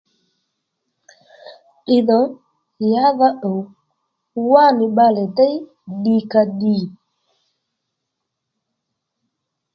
Ddiydhò yǎdha ùw wánì bbalè déy ddìkàddì